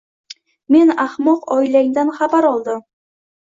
Men ahmoq oilangdan xabar oldim.